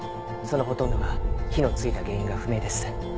そのほとんどが火のついた原因が不明です。